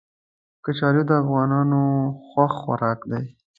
کچالو د افغانانو خوښ خوراک دی